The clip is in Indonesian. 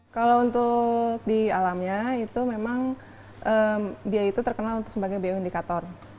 kalau untuk di alamnya dia itu terkenal sebagai bioindikator